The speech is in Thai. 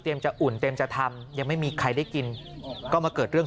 จะอุ่นเตรียมจะทำยังไม่มีใครได้กินก็มาเกิดเรื่อง